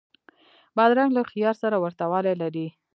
بادرنګ له خیار سره ورته والی لري.